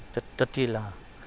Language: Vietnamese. chất chi là